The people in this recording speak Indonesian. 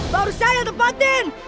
baru saya tepatin